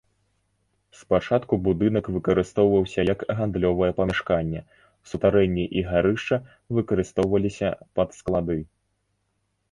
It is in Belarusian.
Спачатку будынак выкарыстоўваўся як гандлёвае памяшканне, сутарэнні і гарышча выкарыстоўваліся пад склады.